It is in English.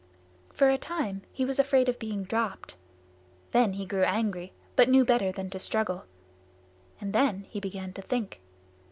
For a time he was afraid of being dropped. Then he grew angry but knew better than to struggle, and then he began to think.